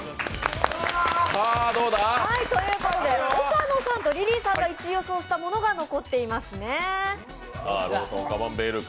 岡野さんとリリーさんが１位予想したものが残ってますね。